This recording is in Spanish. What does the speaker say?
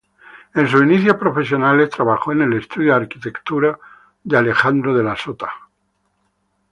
En sus inicios profesionales trabajó en el estudio del arquitecto Alejandro de la Sota.